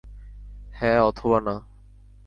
হ্যাঁ অথবা না!